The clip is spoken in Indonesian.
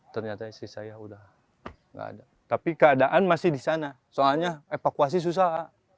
ternyata istri saya udah gak ada tapi keadaan masih di sana soalnya evakuasi susah